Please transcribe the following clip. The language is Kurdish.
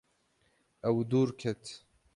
Ew dûr ket.